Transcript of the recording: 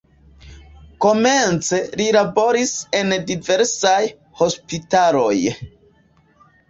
Komence li laboris en diversaj hospitaloj.